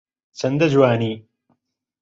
چەندە جوانی